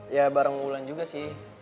ya bareng ulan juga sih